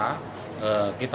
kita tetap melakukan perwakilan